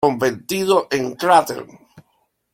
Convertido en cráter.